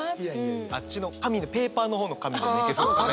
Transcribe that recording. あっちの紙のペーパーの方の紙でもいけそうですね。